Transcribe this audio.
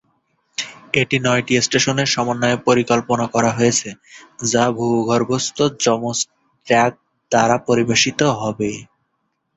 এটি নয়টি স্টেশনের সমন্বয়ে পরিকল্পনা করা হয়েছে, যা ভূগর্ভস্থ যমজ ট্র্যাক দ্বারা পরিবেশিত হবে।